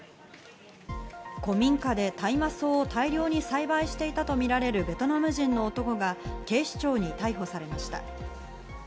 古民家で大麻草を大量に栽培していたとみられるベトナム人の男が警視庁に逮捕されました。